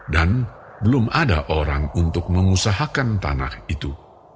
belum ada orang untuk mengusahakan tanah itu